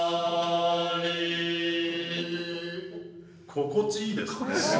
心地いいですね。